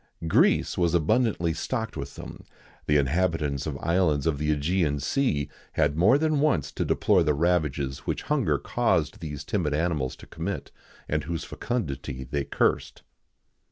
[XIX 90] Greece was abundantly stocked with them:[XIX 91] the inhabitants of islands of the Ægean sea had more than once to deplore the ravages which hunger caused these timid animals to commit, and whose fecundity they cursed.